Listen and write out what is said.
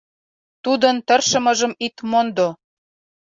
Тудын тыршымыжым ит мондо.